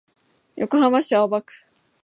横浜市青葉区